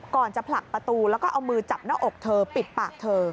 จะผลักประตูแล้วก็เอามือจับหน้าอกเธอปิดปากเธอ